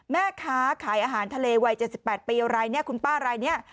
แม่ค้าขายอาหารทะเลวัย๗๘ปีคุณป้ารายนี้